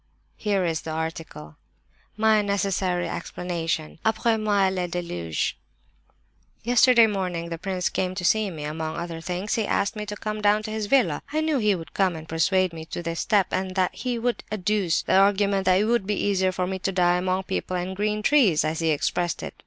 Here is the article. MY NECESSARY EXPLANATION. "Après moi le déluge. "Yesterday morning the prince came to see me. Among other things he asked me to come down to his villa. I knew he would come and persuade me to this step, and that he would adduce the argument that it would be easier for me to die 'among people and green trees,'—as he expressed it.